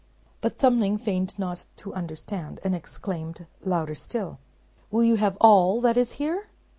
But Thumbling feigned not to understand, and exclaimed, louder still, "Will you have all that is here?"